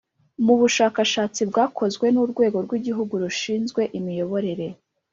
Mu bushakashatsi bwakozwe n Urwego rw Igihugu rushinzwe Imiyoborere